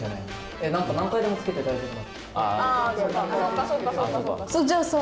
えっ何か何回でもつけて大丈夫。